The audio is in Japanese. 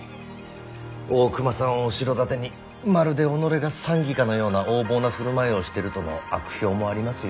大隈さんを後ろ盾にまるで己が参議かのような横暴な振る舞いをしてるとの悪評もありますよ。